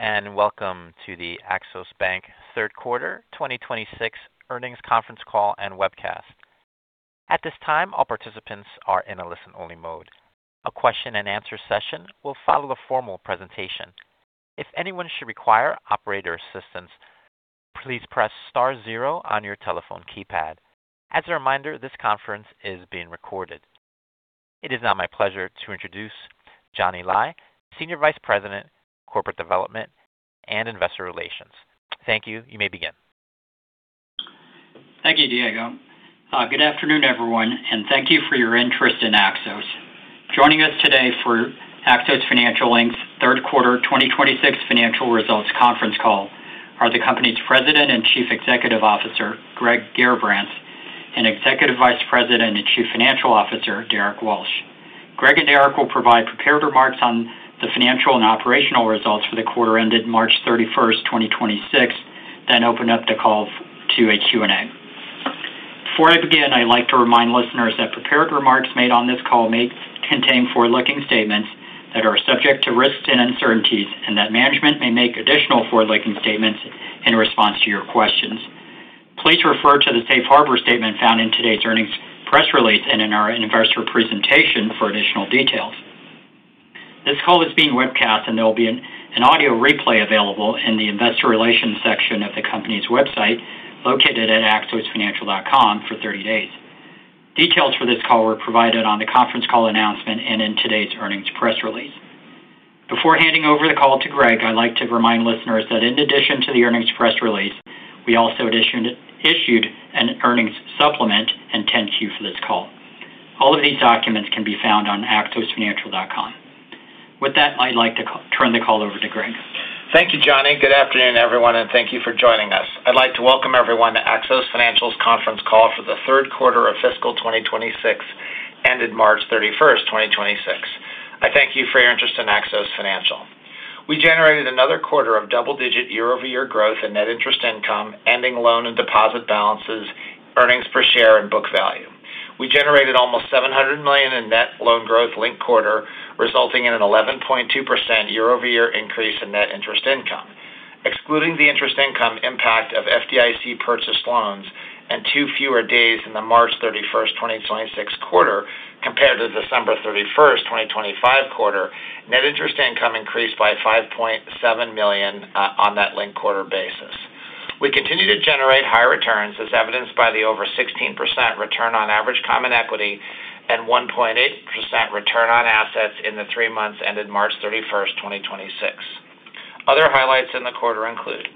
Greetings. Welcome to the Axos [Financial] Third Quarter 2026 Earnings Conference Call and Webcast. At this time, all participants are in a listen-only mode. A question and answer session will follow the formal presentation. If anyone should require operator assistance, please press star zero on your telephone keypad. As a reminder, this conference is being recorded. It is now my pleasure to introduce Johnny Lai, Senior Vice President, Corporate Development and Investor Relations. Thank you. You may begin. Thank you, Diego. Good afternoon, everyone, and thank you for your interest in Axos. Joining us today for Axos Financial, Inc's third quarter 2026 financial results conference call are the company's President and Chief Executive Officer, Greg Garrabrants, and Executive Vice President and Chief Financial Officer, Derrick Walsh. Greg and Derrick will provide prepared remarks on the financial and operational results for the quarter ended March 31, 2026, then open up the call to a Q&A. Before I begin, I'd like to remind listeners that prepared remarks made on this call may contain forward-looking statements that are subject to risks and uncertainties and that management may make additional forward-looking statements in response to your questions. Please refer to the safe harbor statement found in today's earnings press release and in our investor presentation for additional details. This call is being webcast, and there will be an audio replay available in the investor relations section of the company's website, located at axosfinancial.com, for 30 days. Details for this call were provided on the conference call announcement and in today's earnings press release. Before handing over the call to Greg, I'd like to remind listeners that in addition to the earnings press release, we also issued an earnings supplement and 10-Q for this call. All of these documents can be found on axosfinancial.com. With that, I'd like to turn the call over to Greg. Thank you, Johnny. Good afternoon, everyone, and thank you for joining us. I'd like to welcome everyone to Axos Financial's conference call for the third quarter of fiscal 2026, ended March 31st, 2026. I thank you for your interest in Axos Financial. We generated another quarter of double-digit year-over-year growth in net interest income, ending loan and deposit balances, earnings per share, and book value. We generated almost $700 million in net loan growth linked quarter, resulting in an 11.2% year-over-year increase in net interest income. Excluding the interest income impact of FDIC-purchased loans and two fewer days in the March 31st, 2026 quarter compared to the December 31st, 2025 quarter, net interest income increased by $5.7 million on that linked-quarter basis. We continue to generate higher returns as evidenced by the over 16% return on average common equity and 1.8% return on assets in the three months ended March 31st, 2026. Other highlights in the quarter include: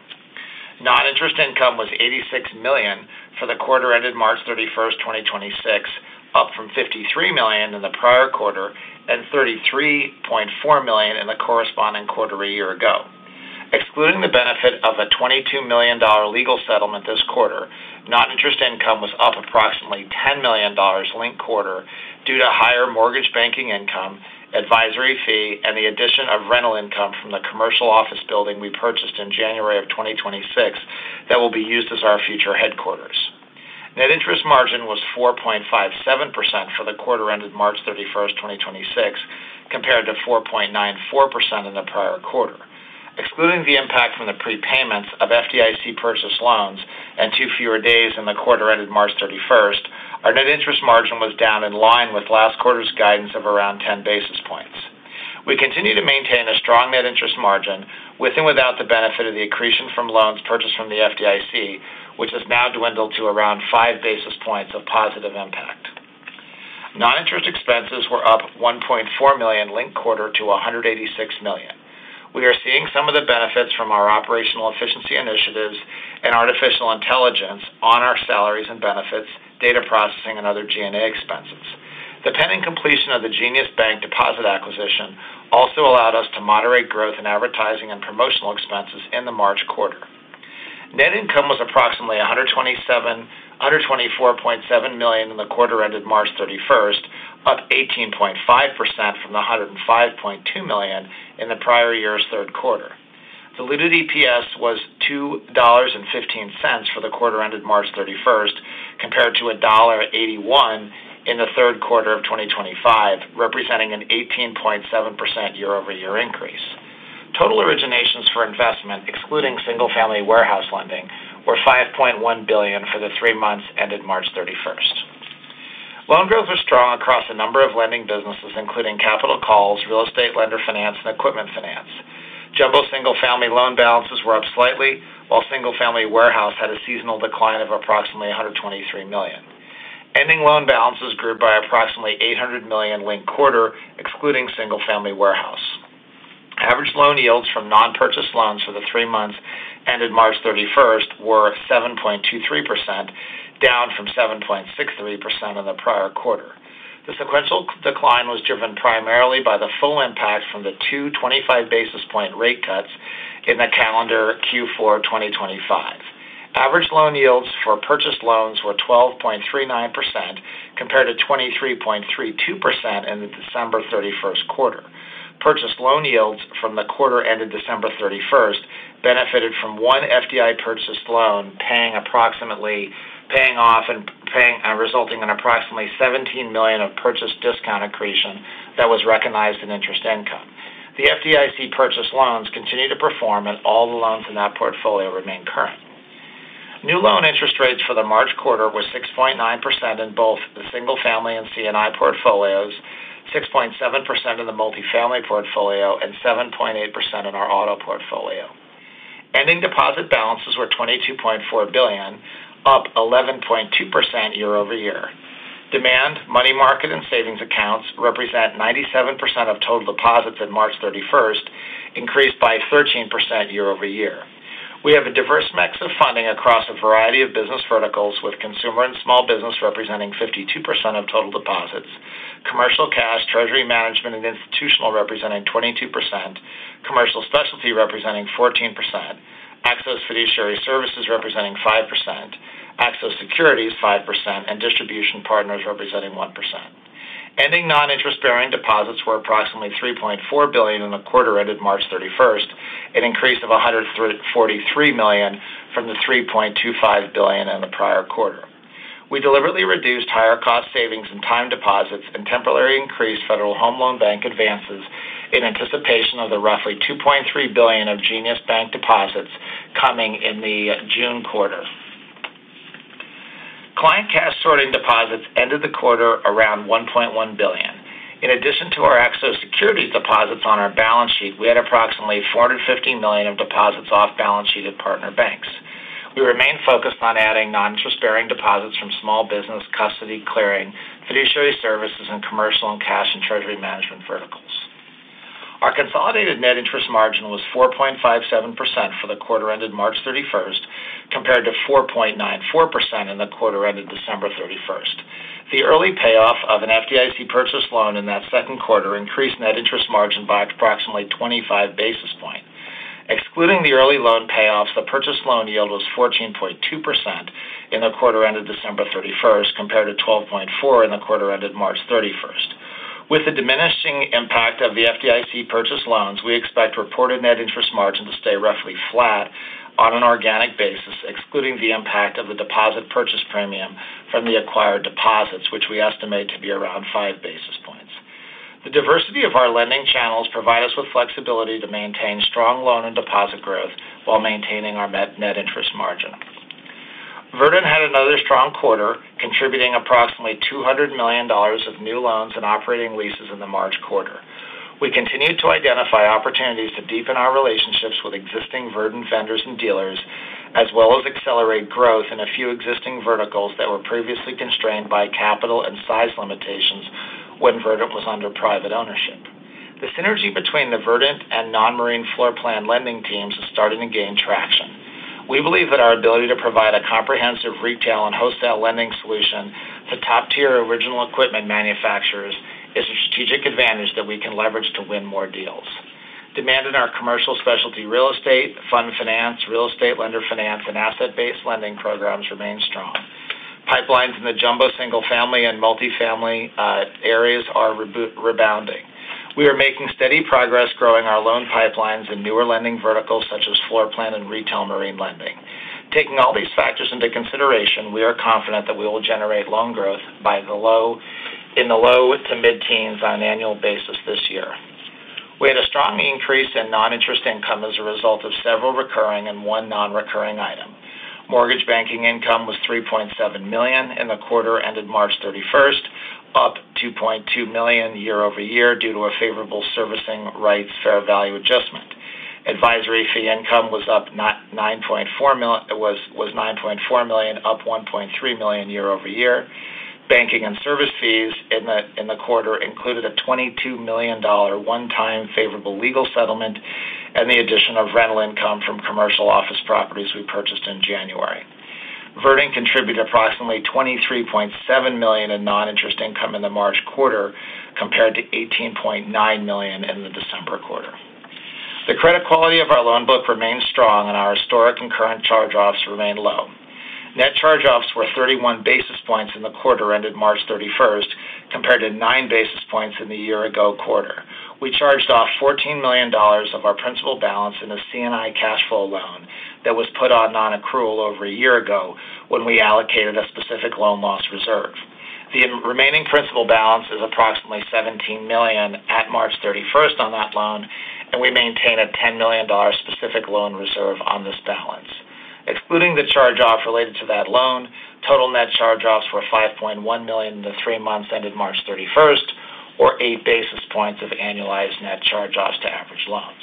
Non-interest income was $86 million for the quarter ended March 31st, 2026, up from $53 million in the prior quarter and $33.4 million in the corresponding quarter a year ago. Excluding the benefit of a $22 million legal settlement this quarter, non-interest income was up approximately $10 million linked quarter due to higher mortgage banking income, advisory fee, and the addition of rental income from the commercial office building we purchased in January 2026 that will be used as our future headquarters. Net interest margin was 4.57% for the quarter ended March 31st, 2026, compared to 4.94% in the prior quarter. Excluding the impact from the prepayments of FDIC-purchased loans and 2 fewer days in the quarter ended March 31, our net interest margin was down in line with last quarter's guidance of around 10 basis points. We continue to maintain a strong net interest margin with and without the benefit of the accretion from loans purchased from the FDIC, which has now dwindled to around 5 basis points of positive impact. Non-interest expenses were up $1.4 million linked quarter to $186 million. We are seeing some of the benefits from our operational efficiency initiatives and artificial intelligence on our salaries and benefits, data processing, and other G&A expenses. The pending completion of the Jenius Bank deposit acquisition also allowed us to moderate growth in advertising and promotional expenses in the March quarter. Net income was approximately $124.7 million in the quarter ended March 31st, up 18.5% from the $105.2 million in the prior-year's third quarter. Diluted EPS was $2.15 for the quarter ended March 31st, compared to $1.81 in the third quarter of 2024, representing an 18.7% year-over-year increase. Total originations for investment, excluding single-family warehouse lending, were $5.1 billion for the three months ended March 31st. Loan growth was strong across a number of lending businesses, including capital calls, real estate lender finance, and equipment finance. Jumbo single-family loan balances were up slightly, while single-family warehouse had a seasonal decline of approximately $123 million. Ending loan balances grew by approximately $800 million linked quarter, excluding single-family warehouse. Average loan yields from non-purchased loans for the three months ended March 31st were 7.23%, down from 7.63% in the prior quarter. The sequential decline was driven primarily by the full impact from the two 25 basis point rate cuts in the calendar Q4, 2025. Average loan yields for purchased loans were 12.39% compared to 23.32% in the December 31st quarter. Purchased loan yields from the quarter ended December 31st benefited from one FDIC-purchased loan paying approximately—paying off and paying and resulting in approximately $17 million of purchase discount accretion that was recognized in interest income. The FDIC-purchased loans continue to perform, and all the loans in that portfolio remain current. New loan interest rates for the March quarter were 6.9% in both the single-family and C&I portfolios, 6.7% in the multifamily portfolio, and 7.8% in our auto portfolio. Ending deposit balances were $22.4 billion, up 11.2% year-over-year. Demand, money market and savings accounts represent 97% of total deposits in March 31st, increased by 13% year-over-year. We have a diverse mix of funding across a variety of business verticals, with consumer and small business representing 52% of total deposits. Commercial cash, treasury management and institutional representing 22%. Commercial specialty representing 14%. Axos Fiduciary Services representing 5%. Axos Securities, 5%, and distribution partners representing 1%. Ending non-interest-bearing deposits were approximately $3.4 billion in the quarter ended March 31st, an increase of $143 million from the $3.25 billion in the prior quarter. We deliberately reduced higher cost savings and time deposits and temporarily increased Federal Home Loan Bank advances in anticipation of the roughly $2.3 billion of Jenius Bank deposits coming in the June quarter. Client cash sorting deposits ended the quarter around $1.1 billion. In addition to our Axos Securities deposits on our balance sheet, we had approximately $450 million of deposits off balance sheet at partner banks. We remain focused on adding non-interest-bearing deposits from small business, custody, Clearing, Fiduciary Services, and commercial and cash and treasury management verticals. Our consolidated net interest margin was 4.57% for the quarter ended March 31st, compared to 4.94% in the quarter ended December 31st. The early payoff of an FDIC-purchased loan in that second quarter increased net interest margin by approximately 25 basis points. Excluding the early loan payoffs, the purchase loan yield was 14.2% in the quarter ended December 31st, compared to 12.4% in the quarter ended March 31st. With the diminishing impact of the FDIC-purchased loans, we expect reported net interest margin to stay roughly flat on an organic basis, excluding the impact of the deposit purchase premium from the acquired deposits, which we estimate to be around 5 basis points. The diversity of our lending channels provide us with flexibility to maintain strong loan and deposit growth while maintaining our net interest margin. Verdant had another strong quarter, contributing approximately $200 million of new loans and operating leases in the March quarter. We continued to identify opportunities to deepen our relationships with existing Verdant vendors and dealers, as well as accelerate growth in a few existing verticals that were previously constrained by capital and size limitations when Verdant was under private ownership. The synergy between the Verdant and non-marine floor plan lending teams is starting to gain traction. We believe that our ability to provide a comprehensive retail and wholesale lending solution to top-tier original equipment manufacturers is a strategic advantage that we can leverage to win more deals. Demand in our commercial specialty real estate, fund finance, real estate lender finance, and asset-based lending programs remain strong. Pipelines in the jumbo single-family and multifamily areas are rebounding. We are making steady progress growing our loan pipelines in newer lending verticals such as floor plan and retail marine lending. Taking all these factors into consideration, we are confident that we will generate loan growth in the low to mid-teens on an annual basis this year. We had a strong increase in non-interest income as a result of several recurring and one non-recurring item. Mortgage banking income was $3.7 million in the quarter ended March 31st, up $2.2 million year-over-year due to a favorable servicing rights fair value adjustment. Advisory fee income was $9.4 million, up $1.3 million year-over-year. Banking and service fees in the quarter included a $22 million one-time favorable legal settlement and the addition of rental income from commercial office properties we purchased in January. Verdant contributed approximately $23.7 million in non-interest income in the March quarter, compared to $18.9 million in the December quarter. The credit quality of our loan book remains strong, and our historic and current charge-offs remain low. Net charge-offs were 31 basis points in the quarter ended March 31st, compared to 9 basis points in the year ago quarter. We charged off $14 million of our principal balance in a C&I cash flow loan that was put on non-accrual over a year ago when we allocated a specific loan loss reserve. The remaining principal balance is approximately $17 million at March 31st on that loan, and we maintain a $10 million specific loan reserve on this balance. Excluding the charge-off related to that loan, total net charge-offs were $5.1 million in the three months ended March 31st, or 8 basis points of annualized net charge-offs to average loans.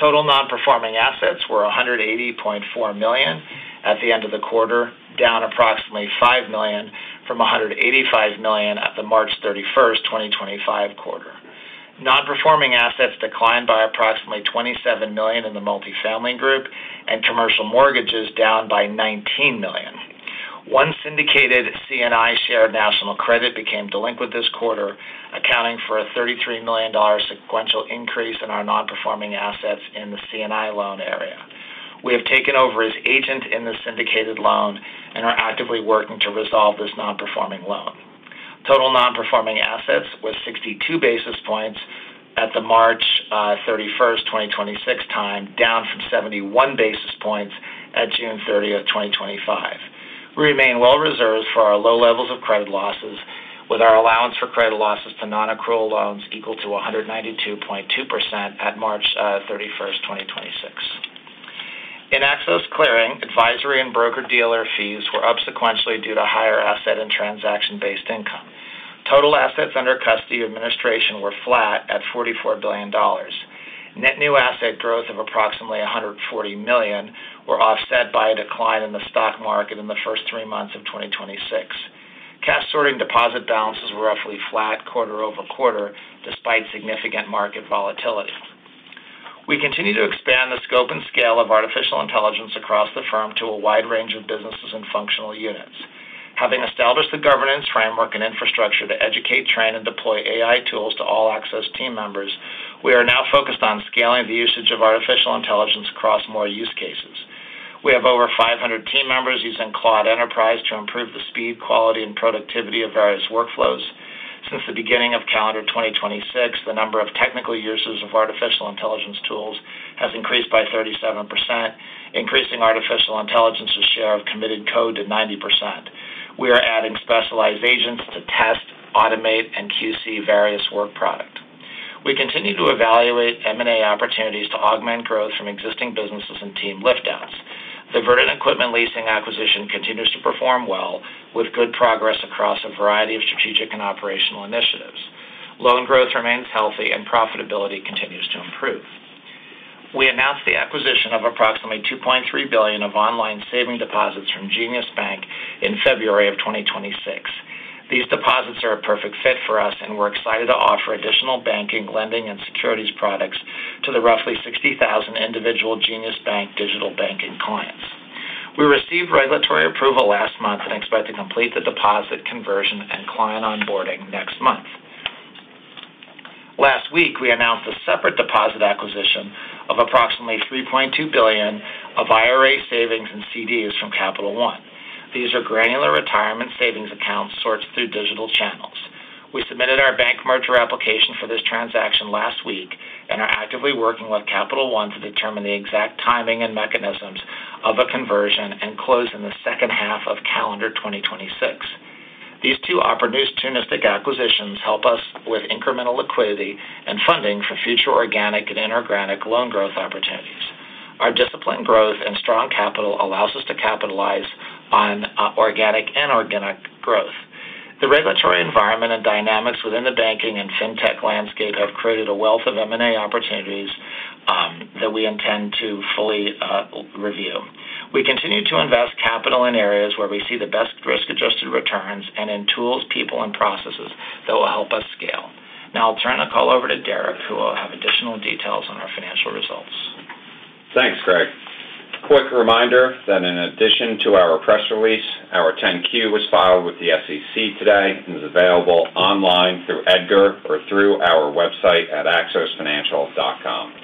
Total non-performing assets were $180.4 million at the end of the quarter, down approximately $5 million from $185 million at the March 31st, 2025 quarter. Non-performing assets declined by approximately $27 million in the multifamily group, and commercial mortgages down by $19 million. One syndicated C&I share of national credit became delinquent this quarter, accounting for a $33 million sequential increase in our non-performing assets in the C&I loan area. We have taken over his agent in the syndicated loan and are actively working to resolve this non-performing loan. Total non-performing assets was 62 basis points at the March 31st, 2026 time, down from 71 basis points at June 30th, 2025. We remain well reserved for our low levels of credit losses, with our allowance for credit losses to non-accrual loans equal to 192.2% at March 31st, 2026. In Axos Clearing, advisory and broker-dealer fees were up sequentially due to higher asset and transaction-based income. Total assets under custody administration were flat at $44 billion. Net new asset growth of approximately $140 million were offset by a decline in the stock market in the first three months of 2026. Cash sorting deposit balances were roughly flat quarter-over-quarter despite significant market volatility. We continue to expand the scope and scale of artificial intelligence across the firm to a wide range of businesses and functional units. Having established the governance framework and infrastructure to educate, train, and deploy AI tools to all Axos team members, we are now focused on scaling the usage of artificial intelligence across more use cases. We have over 500 team members using Claude Enterprise to improve the speed, quality, and productivity of various workflows. Since the beginning of calendar 2026, the number of technical uses of artificial intelligence tools has increased by 37%, increasing artificial intelligence's share of committed code to 90%. We are adding specialization to test, automate, and QC various work product. We continue to evaluate M&A opportunities to augment growth from existing businesses and team lift-outs. Verdant equipment leasing acquisition continues to perform well with good progress across a variety of strategic and operational initiatives. Loan growth remains healthy and profitability continues to improve. We announced the acquisition of approximately $2.3 billion of online saving deposits from Jenius Bank in February 2026. These deposits are a perfect fit for us, and we're excited to offer additional banking, lending, and securities products to the roughly 60,000 individual Jenius Bank digital banking clients. We received regulatory approval last month and expect to complete the deposit conversion and client onboarding next month. Last week, we announced a separate deposit acquisition of approximately $3.2 billion of IRA savings and CDs from Capital One. These are granular retirement savings accounts sourced through digital channels. We submitted our bank merger application for this transaction last week and are actively working with Capital One to determine the exact timing and mechanisms of a conversion and close in the second half of calendar 2026. These two opportunistic acquisitions help us with incremental liquidity and funding for future organic and inorganic loan growth opportunities. Our disciplined growth and strong capital allows us to capitalize on organic and inorganic growth. The regulatory environment and dynamics within the banking and fintech landscape have created a wealth of M&A opportunities that we intend to fully review. We continue to invest capital in areas where we see the best risk-adjusted returns and in tools, people, and processes that will help us scale. Now I'll turn the call over to Derrick, who will have additional details on our financial results. Thanks, Greg. Quick reminder that in addition to our press release, our Form 10-Q was filed with the SEC today and is available online through EDGAR or through our website at axosfinancial.com.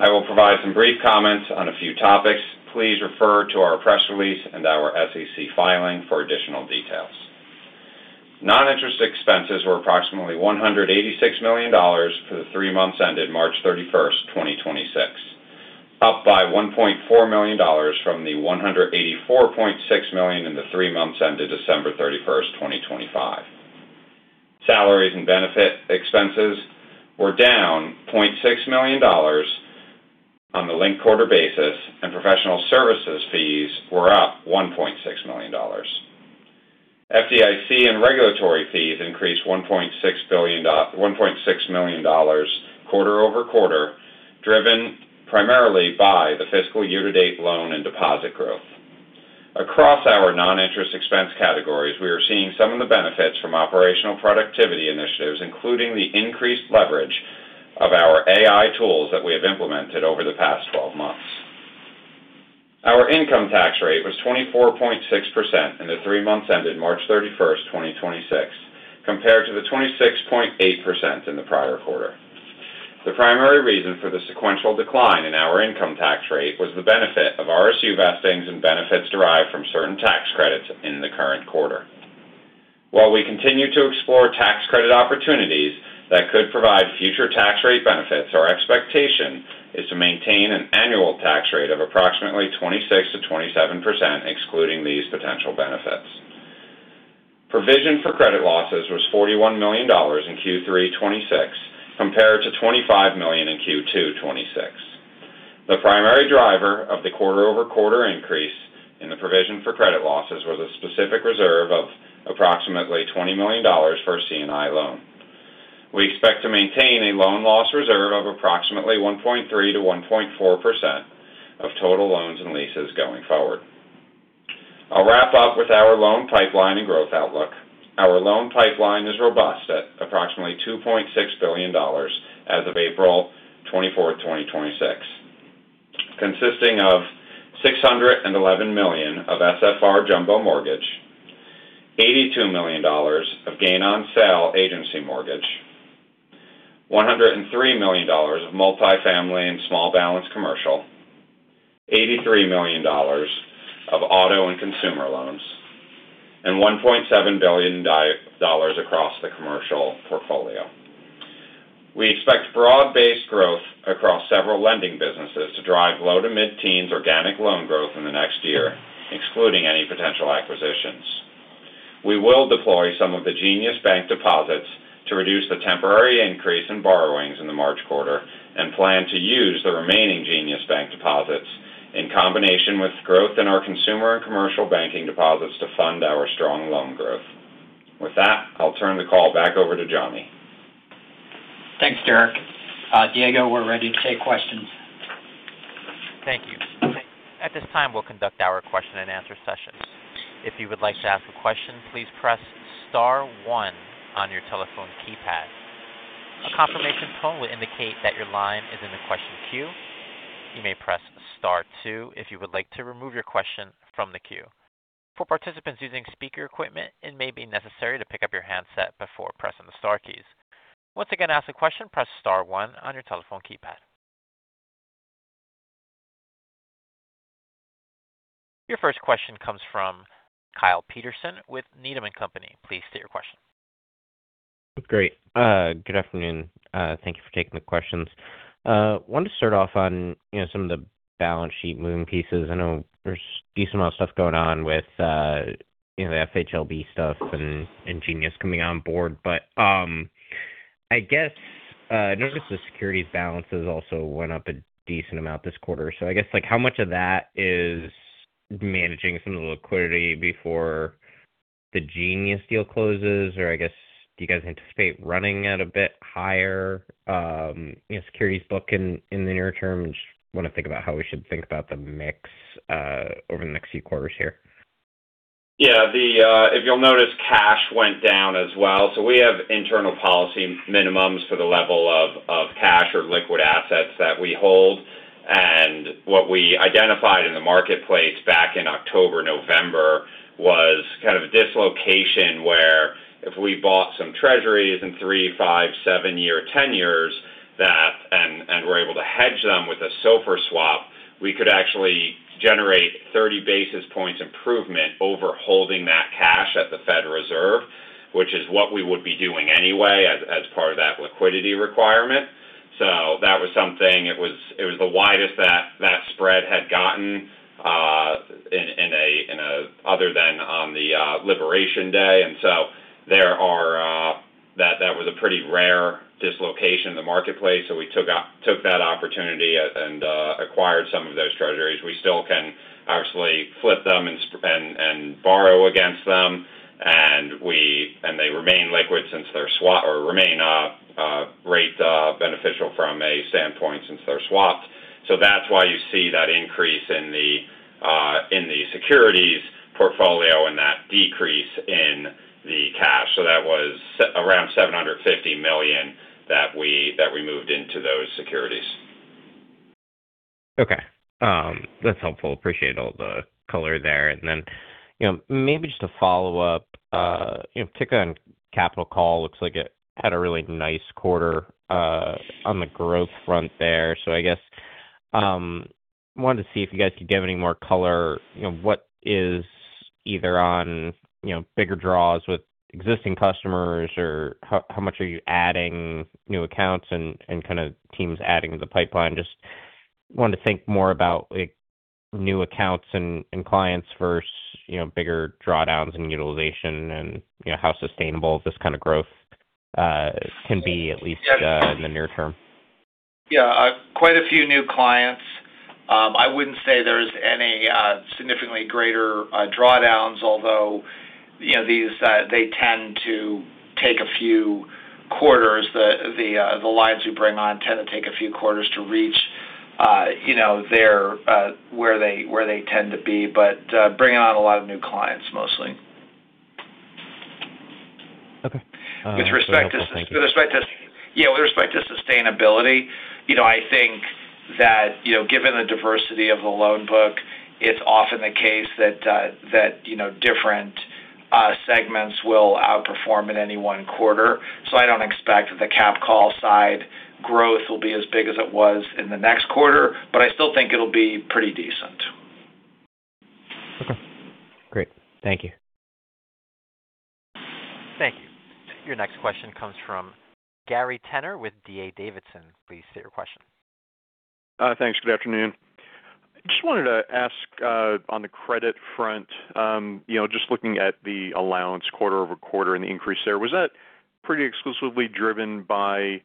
I will provide some brief comments on a few topics. Please refer to our press release and our SEC filing for additional details. Non-interest expenses were approximately $186 million for the three months ended March 31st, 2026, up by $1.4 million from the $184.6 million in the three months ended December 31st, 2025. Salaries and benefit expenses were down $0.6 million on the linked quarter basis, and professional services fees were up $1.6 million. FDIC and regulatory fees increased $1.6 million quarter-over-quarter, driven primarily by the fiscal year-to-date loan and deposit growth. Across our non-interest expense categories, we are seeing some of the benefits from operational productivity initiatives, including the increased leverage of our AI tools that we have implemented over the past 12 months. Our income tax rate was 24.6% in the three months ended March 31st, 2026, compared to the 26.8% in the prior quarter. The primary reason for the sequential decline in our income tax rate was the benefit of RSU vestings and benefits derived from certain tax credits in the current quarter. While we continue to explore tax credit opportunities that could provide future tax rate benefits, our expectation is to maintain an annual tax rate of approximately 26%-27% excluding these potential benefits. Provision for credit losses was $41 million in Q3 2026, compared to $25 million in Q2 2026. The primary driver of the quarter-over-quarter increase in the provision for credit losses was a specific reserve of approximately $20 million for a C&I loan. We expect to maintain a loan loss reserve of approximately 1.3%-1.4% of total loans and leases going forward. I'll wrap up with our loan pipeline and growth outlook. Our loan pipeline is robust at approximately $2.6 billion as of April 24, 2026, consisting of $611 million of SFR jumbo mortgage, $82 million of gain on sale agency mortgage, $103 million of multifamily and small balance commercial, $83 million of auto and consumer loans, and $1.7 billion across the commercial portfolio. We expect broad-based growth across several lending businesses to drive low-to-mid teens organic loan growth in the next year, excluding any potential acquisitions. We will deploy some of the Jenius Bank deposits to reduce the temporary increase in borrowings in the March quarter and plan to use the remaining Jenius Bank deposits in combination with growth in our consumer and commercial banking deposits to fund our strong loan growth. With that, I'll turn the call back over to Johnny. Thanks, Derrick. Diego, we're ready to take questions. Thank you. At this time, we'll conduct our question-and-answer session. If you would like to ask a question, please press star one on your telephone keypad. A confirmation tone will indicate that your line is in the question queue. You may press star two if you would like to remove your question from the queue. For participants using speaker equipment, it may be necessary to pick up your handset before pressing the star keys. Once again, to ask a question, press star one on your telephone keypad. Your first question comes from Kyle Peterson with Needham & Company. Please state your question. Great. Good afternoon, thank you for taking the questions. I wanted to start off on, you know, some of the balance sheet moving pieces. I know there's a decent amount of stuff going on with, you know, the FHLB stuff and Jenius coming on board. I guess, noticed the securities balances also went up a decent amount this quarter. I guess, like, how much of that is managing some of the liquidity before the Jenius deal closes? I guess, do you guys anticipate running at a bit higher, you know, securities book in the near term? Just want to think about how we should think about the mix over the next few quarters here. Yeah. The, if you'll notice, cash went down as well. We have internal policy minimums for the level of cash or liquid assets that we hold. And what we identified in the marketplace back in October, November was kind of a dislocation where if we bought some treasuries in three, five, seven-year tenures and we're able to hedge them with a SOFR swap, we could actually generate 30 basis points improvement over holding that cash at the Federal Reserve, which is what we would be doing anyway as part of that liquidity requirement. That was something; it was the widest that spread had gotten in a other than on the Liberation day. There are, that was a pretty rare dislocation in the marketplace. We took that opportunity and acquired some of those treasuries. We still can actually flip them and borrow against them. They remain liquid since they're or remain rate beneficial from a standpoint since they're swap. That's why you see that increase in the securities portfolio and that decrease in the cash. That was around $750 million that we moved into those securities. Okay. That's helpful. Appreciate all the color there. You know, maybe just to follow up, you know, particularly on capital call, looks like it had a really nice quarter on the growth front there. Wanted to see if you guys could give any more color, you know, what is either on, you know, bigger draws with existing customers or how much are you adding new accounts and kind of teams adding to the pipeline? Just wanted to think more about like new accounts and clients versus, you know, bigger drawdowns and utilization and, you know, how sustainable this kind of growth can be at least in the near term? Yeah. Quite a few new clients. I wouldn't say there's any significantly greater drawdowns, although, you know, these, they tend to take a few quarters. The lines we bring on tend to take a few quarters to reach, you know, their—where they, where they tend to be. Bringing on a lot of new clients mostly. Okay. With respect to— That's helpful. Thank you. Yes, with respect to sustainability, you know, I think that, you know, given the diversity of the loan book, it's often the case that different segments will outperform in any one quarter. I don't expect the [capital] call side growth will be as big as it was in the next quarter, but I still think it'll be pretty decent. Okay. Great. Thank you. Thank you. Your next question comes from Gary Tenner with D.A. Davidson. Please state your question. Thanks. Good afternoon. Just wanted to ask, on the credit front, you know, just looking at the allowance quarter-over-quarter and the increase there, was that pretty exclusively driven by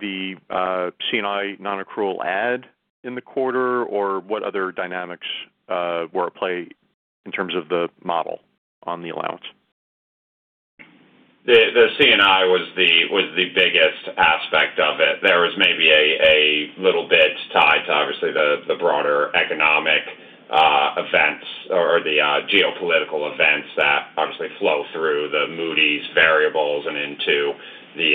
the C&I non-accrual add in the quarter, or what other dynamics were at play in terms of the model on the allowance? The C&I was the biggest aspect of it. There was maybe a little bit tied to obviously the broader economic events or the geopolitical events that obviously flow through the Moody's variables and into the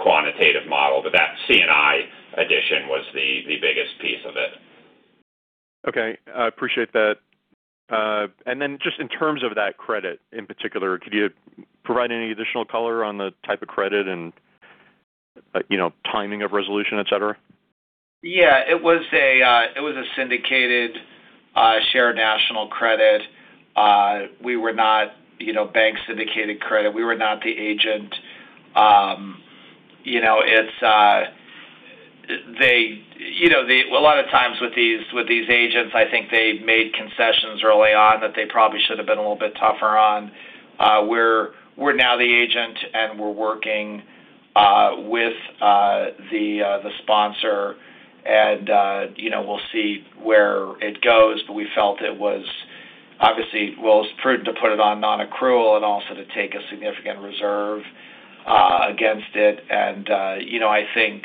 quantitative model. That C&I addition was the biggest piece of it. Okay. I appreciate that. Just in terms of that credit in particular, could you provide any additional color on the type of credit and, you know, timing of resolution, et cetera? Yes. It was a, it was a syndicated, shared national credit. We were not, you know, bank-syndicated credit; we were not the agent. You know, a lot of times with these agents, I think they've made concessions early on that they probably should have been a little bit tougher on. We're now the agent, and we're working with the sponsor and, you know, we'll see where it goes. We felt it was obviously, well, it was prudent to put it on non-accrual and also to take a significant reserve against it. You know, I think,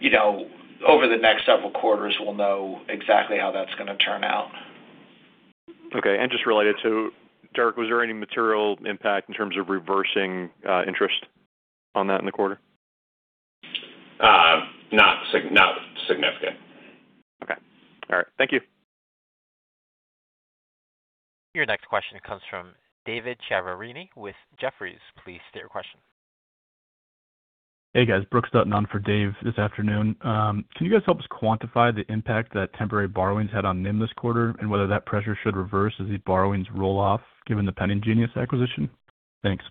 you know, over the next several quarters we'll know exactly how that's gonna turn out. Okay. Just related to Derrick, was there any material impact in terms of reversing interest on that in the quarter? Not significant. Okay. All right. Thank you. Your next question comes from David Chiaverini with Jefferies. Please state your question. Hey, guys. Brooks Dutton on for Dave this afternoon. Can you guys help us quantify the impact that temporary borrowings had on NIM this quarter, and whether that pressure should reverse as these borrowings roll off given the pending Jenius acquisition? Thanks.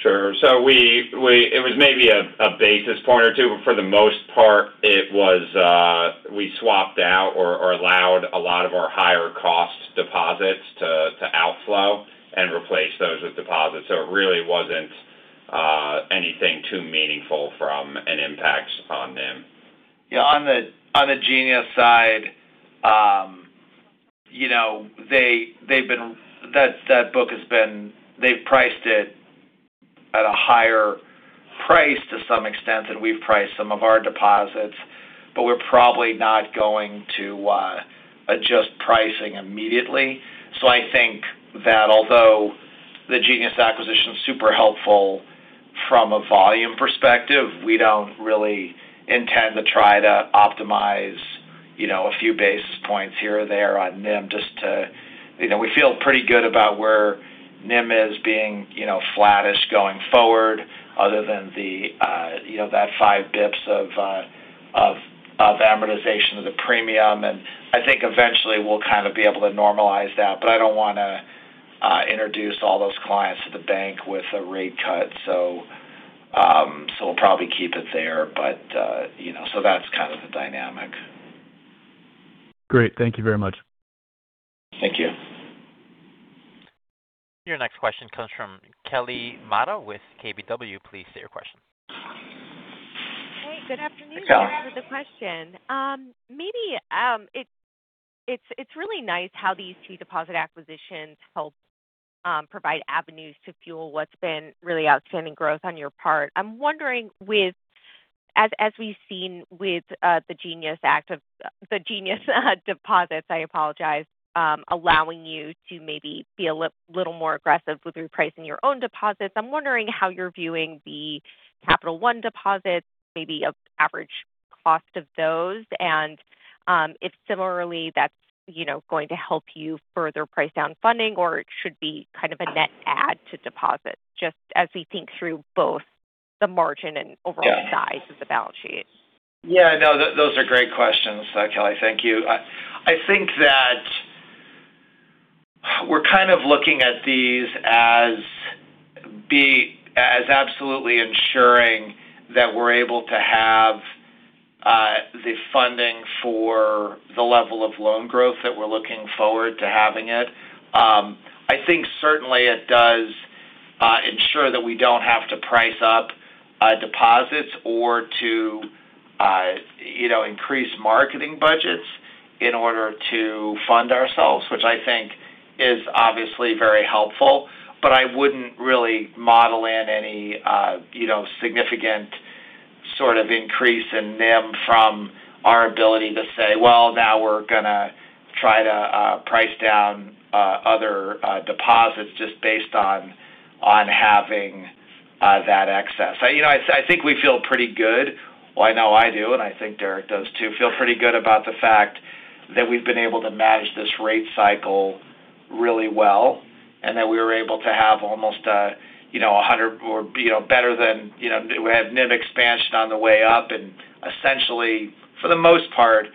Sure. We it was maybe a basis point or two, but for the most part it was, we swapped out or allowed a lot of our higher cost deposits to outflow and replaced those with deposits. It really wasn't anything too meaningful from an impact upon NIM. On the Jenius side, you know, they've priced it at a higher price to some extent than we've priced some of our deposits. We're probably not going to adjust pricing immediately. I think that although the Jenius acquisition is super helpful from a volume perspective, we don't really intend to try to optimize, you know, a few basis points here or there on NIM. You know, we feel pretty good about where NIM is being, you know, flattish going forward other than the, you know, that 5 basis points of amortization of the premium. I think eventually we'll kind of be able to normalize that. I don't wanna introduce all those clients to the bank with a rate cut. We'll probably keep it there but, you know, that's kind of the dynamic. Great. Thank you very much. Thank you. Your next question comes from Kelly Motta with KBW. Please state your question. Hey, good afternoon. Hey, Kelly. Thanks for the question. Maybe—it's really nice how these two deposit acquisitions help provide avenues to fuel what's been really outstanding growth on your part. I'm wondering as we've seen with the Jenius deposits, I apologize, allowing you to maybe be a little more aggressive with repricing your own deposits. I'm wondering how you're viewing the Capital One deposits, maybe an average cost of those, and if similarly that's, you know, going to help you further price down funding or it should be kind of a net add to deposits, just as we think through both the margin and overall— Yeah size of the balance sheet? Yeah. No. Those are great questions, Kelly. Thank you. I think that we're kind of looking at these as absolutely ensuring that we're able to have the funding for the level of loan growth that we're looking forward to having it. I think certainly it does ensure that we don't have to price up deposits or to, you know, increase marketing budgets in order to fund ourselves, which I think is obviously very helpful. I wouldn't really model in any, you know, significant sort of increase in NIM from our ability to say, "Well, now we're gonna try to price down other deposits just based on having that excess." You know, I think we feel pretty good. I know I do, and I think Derrick does too, feel pretty good about the fact that we've been able to manage this rate cycle really well, and that we were able to have almost a, you know, 100 or, you know, better than, you know, we had NIM expansion on the way up and essentially, for the most part,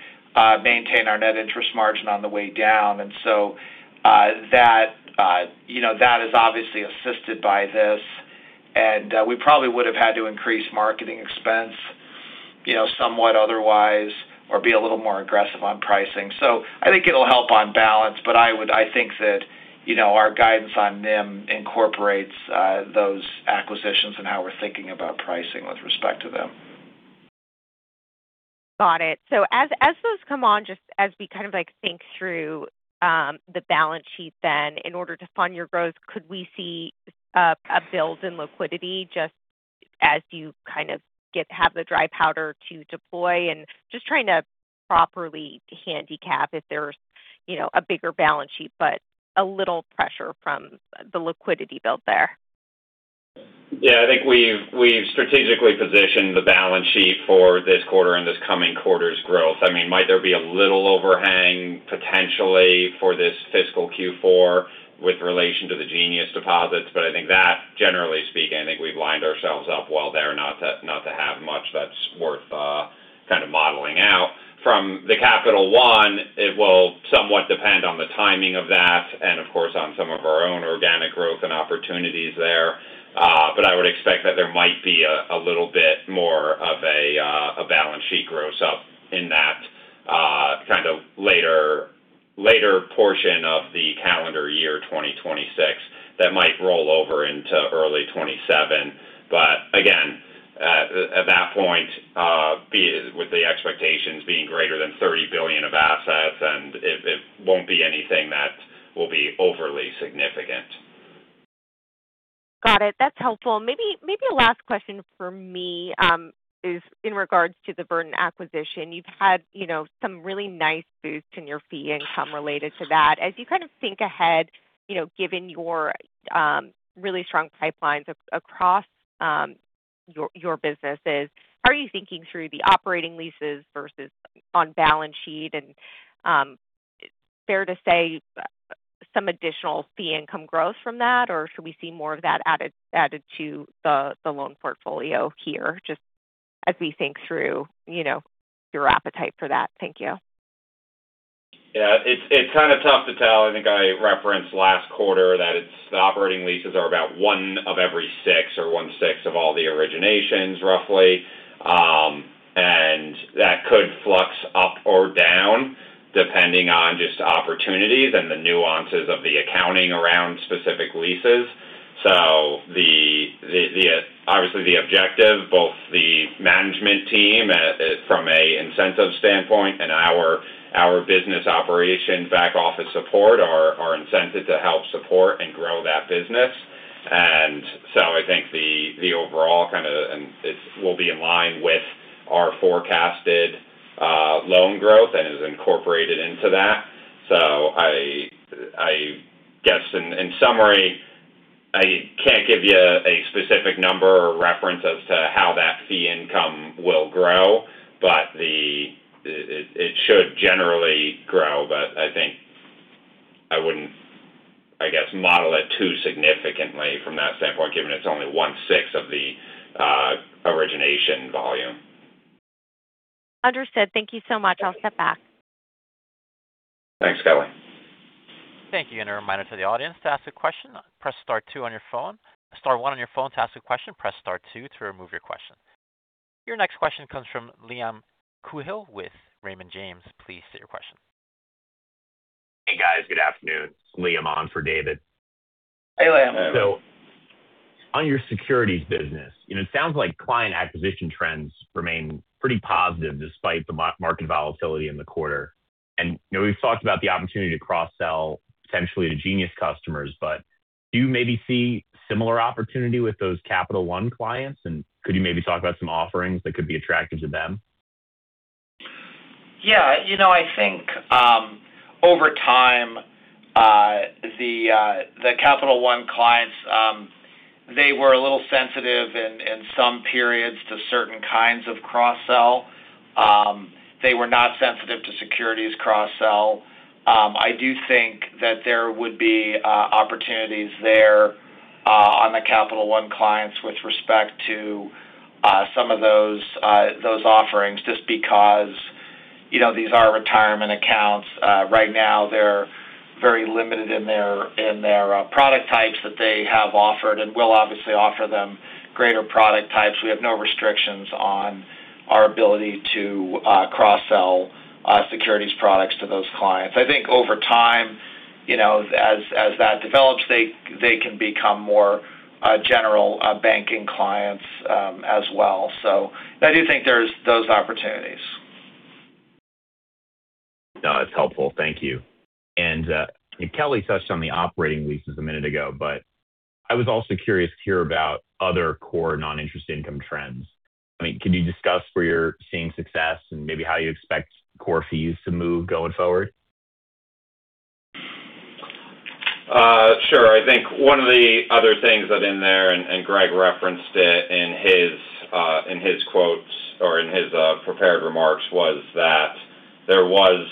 maintain our net interest margin on the way down. That, you know, that is obviously assisted by this. We probably would have had to increase marketing expense, you know, somewhat otherwise or be a little more aggressive on pricing. I think it'll help on balance, but I think that, you know, our guidance on NIM incorporates those acquisitions and how we're thinking about pricing with respect to them. Got it. As those come on, just as we kind of like think through, the balance sheet then in order to fund your growth, could we see a build in liquidity just as you kind of get to have the dry powder to deploy? Just trying to properly handicap if there's, you know, a bigger balance sheet, but a little pressure from the liquidity build there. I think we've strategically positioned the balance sheet for this quarter and this coming quarter's growth. I mean, might there be a little overhang potentially for this fiscal Q4 with relation to the Jenius deposits? I think that generally speaking, I think we've lined ourselves up well there not to have much that's worth kind of modeling out. From the Capital One, it will somewhat depend on the timing of that and of course, on some of our own organic growth and opportunities there. I would expect that there might be a little bit more of a balance sheet gross up in that kind of later portion of the calendar year 2026 that might roll over into early 2027. Again, at that point, with the expectations being greater than $30 billion of assets, and it won't be anything that will be overly significant. Got it. That's helpful. Maybe a last question from me in regards to the Verdant acquisition. You've had, you know, some really nice boosts in your fee income related to that. As you kind of think ahead, you know, given your really strong pipelines across your businesses, how are you thinking through the operating leases versus on balance sheet? Fair to say some additional fee income growth from that, or should we see more of that added to the loan portfolio here, just as we think through, you know, your appetite for that? Thank you. Yeah, it's kind of tough to tell. I think I referenced last quarter that the operating leases are about one of every six or 1/6 of all the originations, roughly. That could flux up or down depending on just opportunities and the nuances of the accounting around specific leases. The obviously, the objective, both the management team from a incentive standpoint and our business operations back office support are incented to help support and grow that business. I think the overall and it will be in line with our forecasted loan growth and is incorporated into that. I guess in summary, I can't give you a specific number or reference as to how that fee income will grow, but it should generally grow. I think I wouldn't, I guess, model it too significantly from that standpoint, given it's only 1/6 of the origination volume. Understood. Thank you so much. I'll step back. Thanks, Kelly. Thank you and reminder to the audience to ask a question, press two on your phone, star one on your phone to ask your question. Press star two to remove your question. Your next question comes from Liam Coohill with Raymond James. Please state your question. Hey, guys. Good afternoon. Liam on for David. Hey, Liam. On your securities business, you know, it sounds like client acquisition trends remain pretty positive despite the market volatility in the quarter. you know, we've talked about the opportunity to cross-sell potentially to Jenius customers, but do you maybe see similar opportunity with those Capital One clients? Could you maybe talk about some offerings that could be attractive to them? Yeah. You know, I think over time, the Capital One clients, they were a little sensitive in some periods to certain kinds of cross-sell. They were not sensitive to securities cross-sell. I do think that there would be opportunities there on the Capital One clients with respect to some of those offerings, just because, you know, these are retirement accounts. Right now they're very limited in their product types that they have offered and we'll obviously offer them greater product types. We have no restrictions on our ability to cross-sell securities products to those clients. I think over time, you know, as that develops, they can become more general banking clients as well. I do think there's those opportunities. No, it's helpful. Thank you. Kelly touched on the operating leases a minute ago, but I was also curious here about other core non-interest income trends. I mean, could you discuss where you're seeing success and maybe how you expect core fees to move going forward? Sure. I think one of the other things that in there, and Greg referenced it in his quotes or in his prepared remarks, was that there was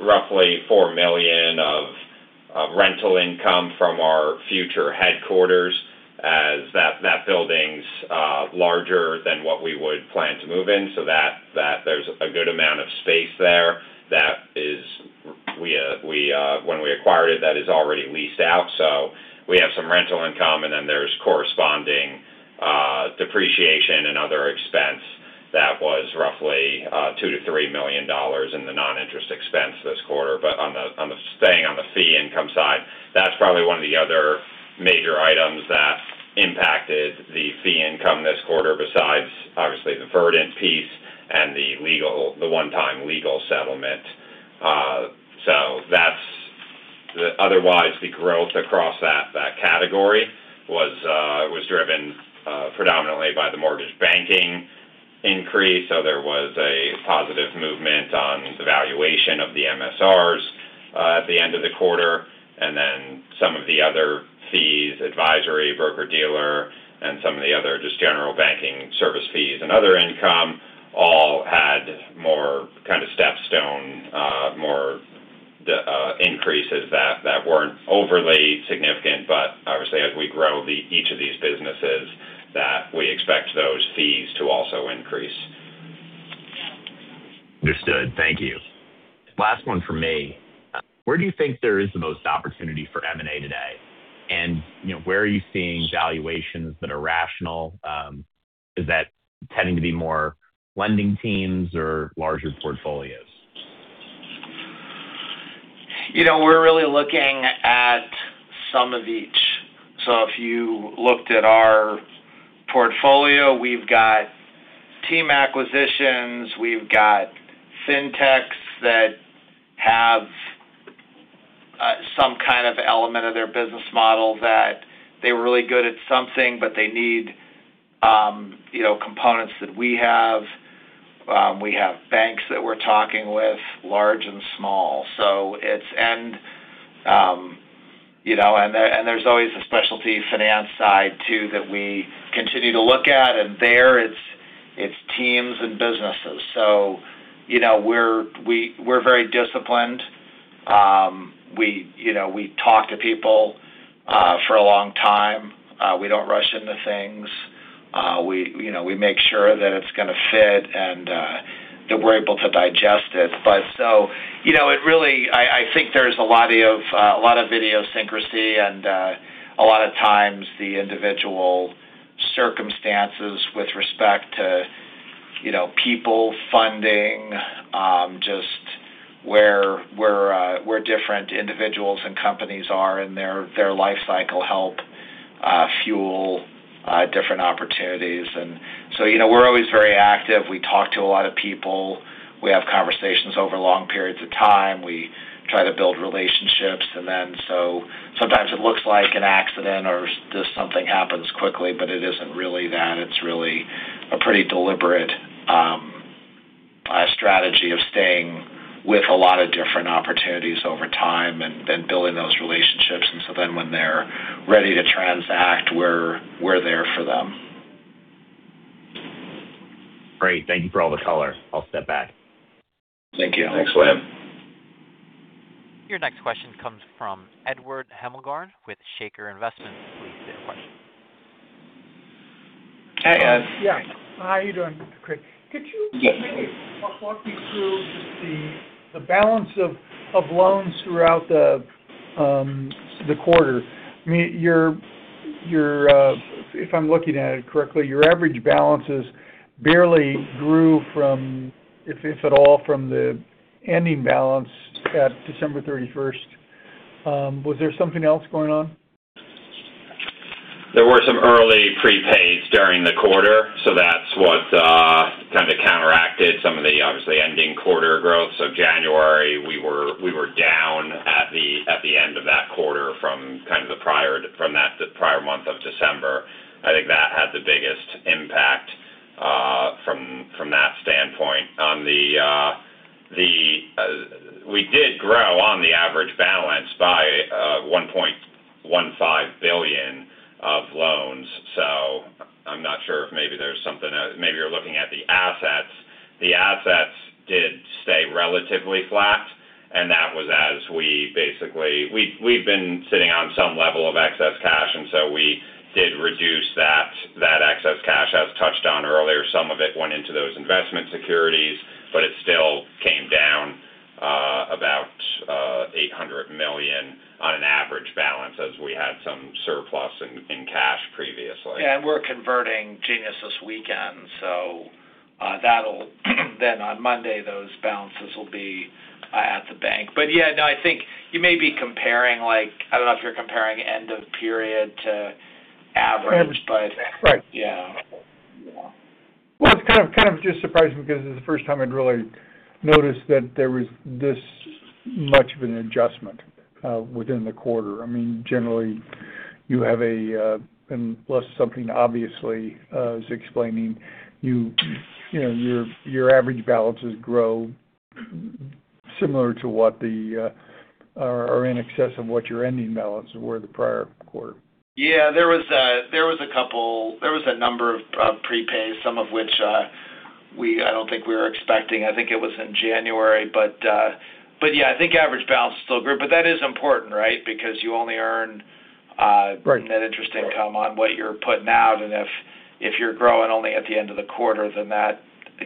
roughly $4 million of rental income from our future headquarters as that building's larger than what we would plan to move in. So that there's a good amount of space there that is, we, when we acquired it, that is already leased out, so we have some rental income, and then there's corresponding depreciation and other expense. That was roughly $2 million-$3 million in the non-interest expense this quarter. Staying on the fee income side, that's probably one of the other major items that impacted the fee income this quarter, besides obviously the Verdant piece and the one-time legal settlement. Otherwise, the growth across that category was driven predominantly by the mortgage banking increase. There was a positive movement on the valuation of the MSRs at the end of the quarter, and then some of the other fees, advisory, broker-dealer, and some of the other just general banking service fees and other income all had more kind of stepstone, more increases that weren't overly significant, but obviously, as we grow each of these businesses, we expect those fees to also increase. Understood. Thank you. Last one from me. Where do you think there is the most opportunity for M&A today? You know, where are you seeing valuations that are rational? Is that tending to be more lending teams or larger portfolios? You know, we're really looking at some of each. If you looked at our portfolio, we've got team acquisitions, we've got FinTechs that have some kind of element of their business model that they were really good at something, but they need, you know, components that we have. We have banks that we're talking with, large and small, so it's, and, you know, and there, and there's always a specialty finance side too, that we continue to look at. There it's teams and businesses. You know, we're very disciplined. We, you know, we talk to people for a long time. We don't rush into things; we, you know, we make sure that it's gonna fit and that we're able to digest it. You know, I think there's a lot of idiosyncrasy and a lot of times the individual circumstances with respect to, you know, people funding, just where different individuals and companies are in their life cycle help fuel different opportunities. You know, we're always very active. We talk to a lot of people. We have conversations over long periods of time. We try to build relationships. Sometimes it looks like an accident or just something happens quickly, but it isn't really that. It's really a pretty deliberate strategy of staying with a lot of different opportunities over time and then building those relationships. When they're ready to transact, we're there for them. Great. Thank you for all the color. I'll step back. Thank you. Thanks, Liam. Your next question comes from Edward Hemmelgarn with Shaker Investments. Please state your question. Hey, Ed. Yeah. How are you doing, Greg Garrabrants? Could you maybe walk me through just the balance of loans throughout the quarter? I mean, your, if I'm looking at it correctly, your average balances barely grew from, if at all, from the ending balance at December 31st. Was there something else going on? There were some early prepays during the quarter, so that's what kind of counteracted some of the, obviously, ending quarter growth. January, we were down at the end of that quarter from that prior month of December. I think that had the biggest impact from that standpoint. We did grow on the average balance by $1.15 billion of loans. I'm not sure if maybe there's something else; maybe you're looking at the assets. The assets did stay relatively flat, and that was as we basically, we've been sitting on some level of excess cash. We did reduce that excess cash. As touched on earlier, some of it went into those investment securities, but it still came down about $800 million on an average balance as we had some surplus in cash previously. Yeah, we're converting Jenius this weekend, so on Monday, those balances will be at the bank. Yeah, no, I think you may be comparing. I don't know if you're comparing end of period to average. Average. Right. Yeah. Well, it's kind of just surprising because it's the first time I'd really noticed that there was this much of an adjustment within the quarter. I mean, generally, you have a unless something obviously is explaining you know your average balances grow similar to what the or in excess of what your ending balance were the prior quarter. Yeah. There was a number of prepays, some of which, I don't think we were expecting. I think it was in January. Yeah, I think average balance is still good. That is important, right? Because you only earn— Right. net interest income on what you're putting out. If you're growing only at the end of the quarter, then that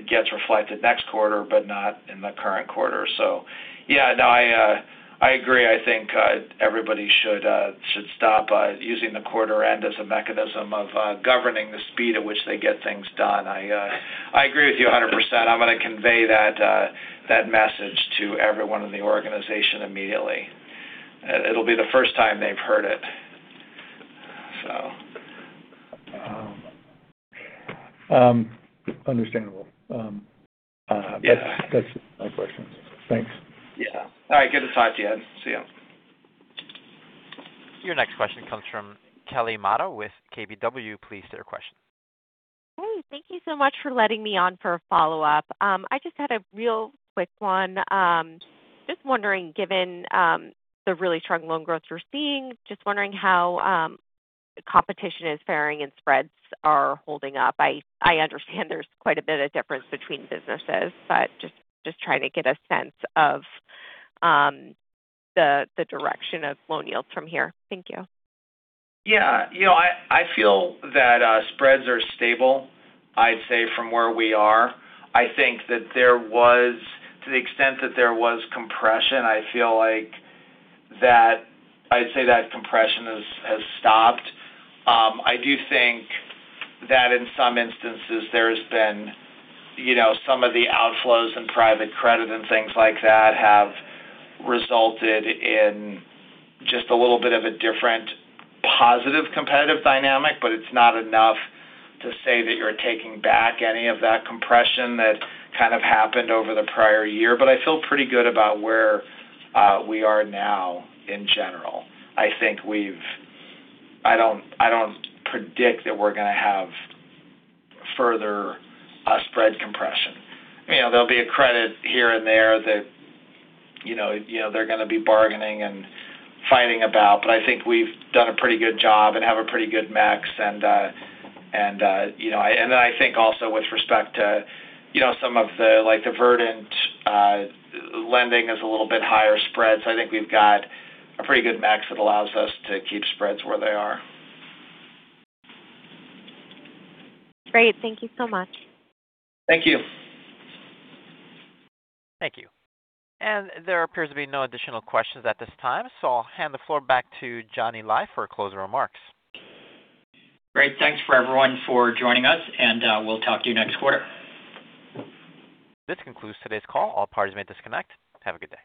gets reflected next quarter, but not in the current quarter. Yeah, no, I agree. I think everybody should should stop using the quarter end as a mechanism of governing the speed at which they get things done. I agree with you 100%. I'm gonna convey that message to everyone in the organization immediately. It'll be the first time they've heard it, so. Understandable. Yeah. That's my question. Thanks. Yeah. All right. Give the 5 to Ed. See you. Your next question comes from Kelly Motta with KBW. Please state your question. Hey, thank you so much for letting me on for a follow-up. I just had a real quick one. Just wondering, given the really strong loan growth we're seeing, just wondering how competition is faring and spreads are holding up. I understand there's quite a bit of difference between businesses, but just trying to get a sense of the direction of loan yields from here. Thank you. Yeah. You know, I feel that spreads are stable, I'd say, from where we are. I think that to the extent that there was compression, I'd say that compression has stopped. I do think that in some instances there's been, you know, some of the outflows in private credit and things like that have resulted in just a little bit of a different positive competitive dynamic. It's not enough to say that you're taking back any of that compression that kind of happened over the prior year. I feel pretty good about where we are now in general. I don't predict that we're gonna have further spread compression. You know, there'll be a credit here and there that, you know, they're gonna be bargaining and fighting about, but I think we've done a pretty good job and have a pretty good max and, you know. I think also with respect to, you know, some of the, like, the Verdant lending is a little bit higher spreads. I think we've got a pretty good max that allows us to keep spreads where they are. Great. Thank you so much. Thank you. Thank you. There appears to be no additional questions at this time, so I'll hand the floor back to Johnny Lai for closing remarks. Great. Thanks for everyone for joining us, and we'll talk to you next quarter. This concludes today's call. All parties may disconnect. Have a good day.